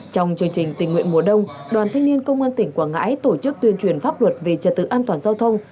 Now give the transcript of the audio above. trong chương trình tình nguyện mùa đông đoàn thanh niên công an tỉnh quảng ngãi tổ chức tuyên truyền pháp luật về trật tự an toàn giao thông